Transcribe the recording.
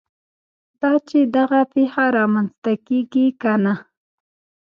دا چې دغه پېښه رامنځته کېږي که نه.